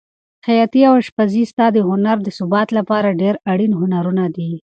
خیاطي او اشپزي ستا د ژوند د ثبات لپاره ډېر اړین هنرونه دي.